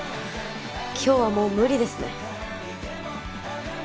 今日はもう無理ですね